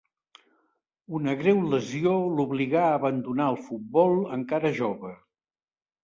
Una greu lesió l'obligà a abandonar el futbol encara jove.